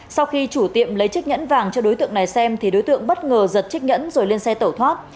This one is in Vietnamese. sau khi chủ tiệm lấy chiếc nhẫn vàng cho đối tượng này xem thì đối tượng bất ngờ giật chiếc nhẫn rồi lên xe tẩu thoát